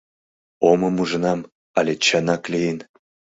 — Омым ужынам але чынак лийын?